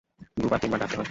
দু বার-তিন বার ডাকতে হয়।